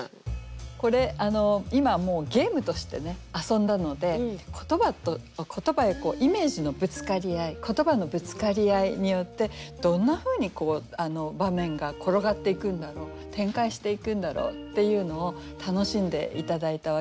これ今もうゲームとして遊んだので言葉やイメージのぶつかり合い言葉のぶつかり合いによってどんなふうに場面が転がっていくんだろう展開していくんだろうっていうのを楽しんで頂いたわけなんですけれども。